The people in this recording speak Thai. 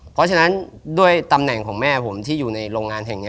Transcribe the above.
เพราะฉะนั้นด้วยตำแหน่งของแม่ผมที่อยู่ในโรงงานแห่งนี้